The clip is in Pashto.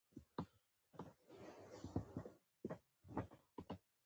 خوړل، نومیالی، ابن سینا، لیکل او ژړل هم شته.